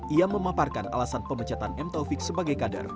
ia memaparkan alasan pemecatan m taufik sebagai kader